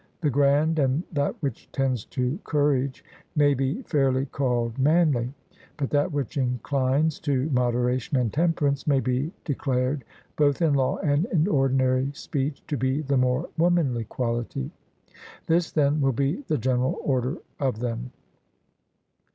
The grand, and that which tends to courage, may be fairly called manly; but that which inclines to moderation and temperance, may be declared both in law and in ordinary speech to be the more womanly quality. This, then, will be the general order of them.